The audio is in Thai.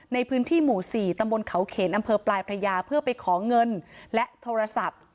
ในพื้นที่หมู่๔ตำบลเขาเขนอำเภอปลายพระยาเพื่อไปขอเงินและโทรศัพท์